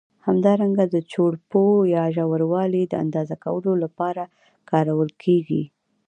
همدارنګه د چوړپو یا ژوروالي د اندازه کولو له پاره کارول کېږي.